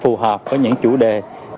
phù hợp với những chủ đề